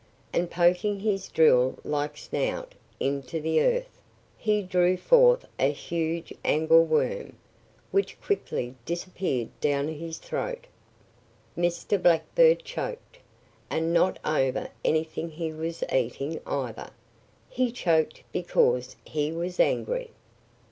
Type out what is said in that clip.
And poking his drill like snout into the earth, he drew forth a huge angleworm, which quickly disappeared down his throat. Mr. Blackbird choked; and not over anything he was eating, either. He choked because he was angry.